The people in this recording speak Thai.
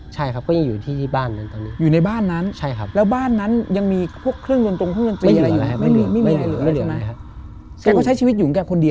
ใช่ครับก็ยังอยู่ที่บ้านนั้นตอนนี้